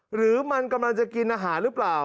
หรือมันกำลังจะกินอาหารหรือเปล่า